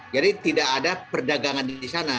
jadi tidak ada perdagangan di sana